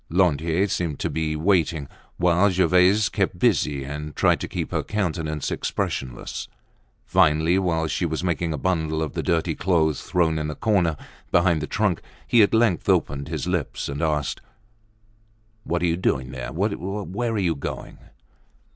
Lantier seemed to be waiting, while Gervaise kept busy and tried to keep her countenance expressionless. Finally, while she was making a bundle of the dirty clothes thrown in a corner, behind the trunk, he at length opened his lips and asked: "What are you doing there? Where are you going?"